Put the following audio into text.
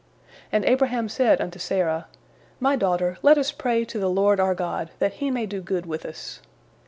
And Abraham said unto Sarah, "My daughter, let us pray to the Lord our God that He may do good with us."